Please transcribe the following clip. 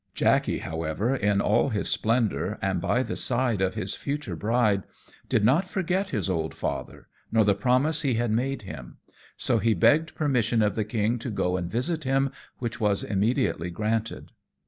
Jackey, however, in all his splendour, and by the side of his future bride, did not forget his old father, nor the promise he had made him; so he begged permission of the king to go and visit him, which was immediately granted.